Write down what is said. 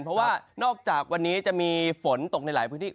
เพราะว่านอกจากวันนี้จะมีฝนตกในหลายพื้นที่